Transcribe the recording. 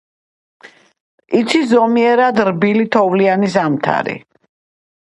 იცის ზომიერად რბილი, თოვლიანი ზამთარი.